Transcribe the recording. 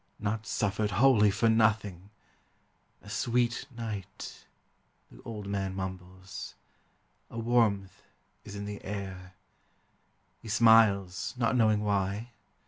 . Not suffered wholly for nothing !...' A sweet night!' The old man mumbles. ... A warmth is in the air, He smiles, not knowing why.